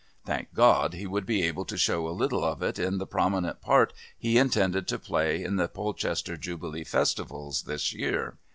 Thank God he would be able to show a little of it in the prominent part he intended to play in the Polchester Jubilee festivals this year!